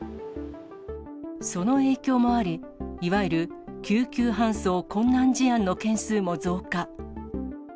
その影響もあり、いわゆる救急搬送困難事案の件数も増加。